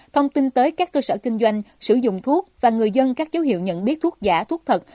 thông tin tới các cơ sở kinh doanh sử dụng thuốc và người dân các dấu hiệu nhận biết thuốc giả thuốc thật